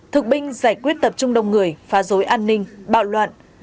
thực binh giải quyết tập trung đông người phá dối an ninh bạo loạn